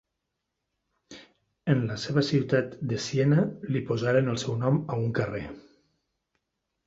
En la seva ciutat de Siena li posaren el seu nom a un carrer.